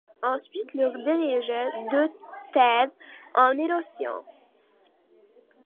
Ensuite il dirigea deux thèses en neurosciences.